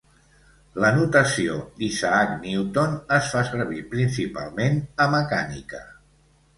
La notació d'Isaac Newton es fa servir principalment a mecànica.